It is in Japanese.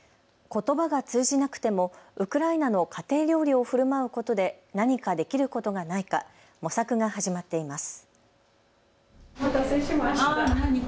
ことばが通じなくてもウクライナの家庭料理をふるまうことで何かできることがないか模索が始まっています。